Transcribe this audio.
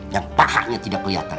yang paha pahanya tidak keliatan